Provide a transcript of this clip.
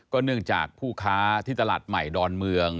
เนื่องจากผู้ค้าที่ตลาดใหม่ดอนเมือง